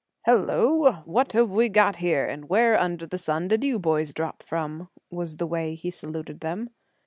"Hello! what have we got here; and where under the sun did you boys drop from?" was the way he saluted them.